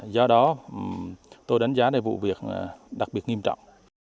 do đó tôi đánh giá đây vụ việc đặc biệt nghiêm trọng